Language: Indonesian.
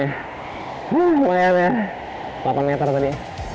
hmm lumayan ya delapan meter tadi